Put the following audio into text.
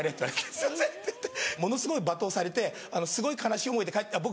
「すいません！」って言ってものすごい罵倒されてすごい悲しい思いで帰った僕